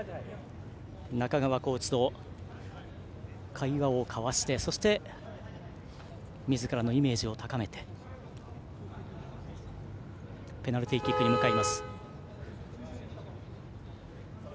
中川コーチと会話を交わしてそして、みずからのイメージを高めてペナルティーキックに向かいます。